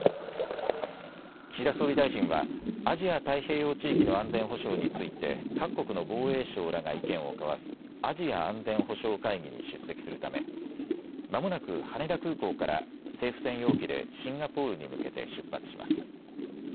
岸田総理大臣はアジア・太平洋地域の安全保障について各国の防衛相らが意見を交わすアジア安全保障会議に出席するためまもなく羽田空港から政府専用機でシンガポールに向けて出発します。